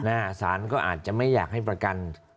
สารก็อาจจะไม่อยากให้ประกัน